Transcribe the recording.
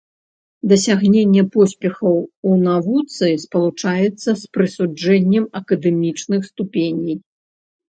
Дасягненне поспехаў у навуцы спалучаецца з прысуджэннем акадэмічных ступеней.